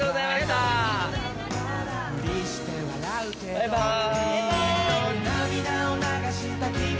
バイバーイ。